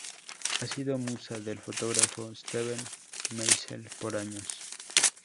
Ha sido musa del fotógrafo Steven Meisel por años.